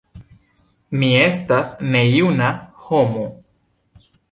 Mi estas nejuna homo.